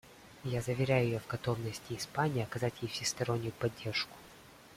Я заверяю ее в готовности Испании оказывать ей всестороннюю поддержку.